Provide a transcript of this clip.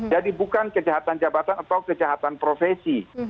jadi bukan kejahatan jabatan atau kejahatan profesi